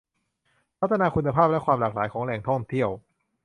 พัฒนาคุณภาพและความหลากหลายของแหล่งท่องเที่ยว